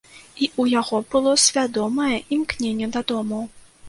І ў яго было свядомае імкненне дадому.